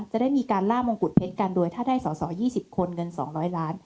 จะได้มีการล่ามงกุฎเพชรกันด้วยถ้าได้ส่อยี่สิบคนเงินสองร้อยล้าน